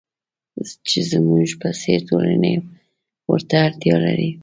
چې زموږ په څېر ټولنې ورته اړتیا لري.